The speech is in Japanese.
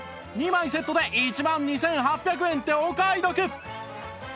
２枚セットで１万２８００円ってお買い得！